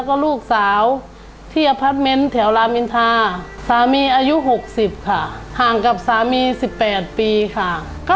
ก็รู้ว่าเขาอายุมากนะคะ